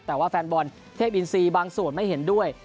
แต่ว่าแฟนบอลเทพอินซีบางส่วนไม่เห็นด้วย